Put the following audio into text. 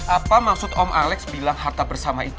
apa maksud om alex bilang harta bersama itu